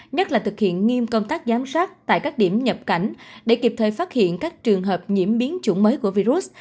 nhất là thực hiện nghiêm công tác giám sát tại các điểm nhập cảnh để kịp thời phát hiện các trường hợp nhiễm biến chủng mới của virus